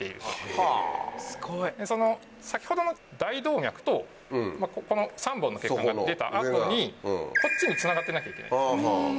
すごい！先ほどの大動脈とこの３本の血管が出た後にこっちにつながってなきゃいけないんです。